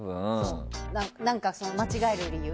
間違える理由？